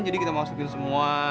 jadi kita masukin semua